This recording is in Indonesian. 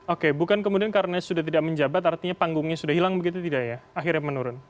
oke bukan kemudian karena sudah tidak menjabat artinya panggungnya sudah hilang begitu tidak ya akhirnya menurun